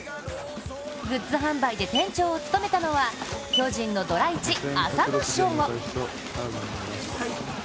グッズ販売で店長を務めたのは巨人のドラ１、浅野翔吾。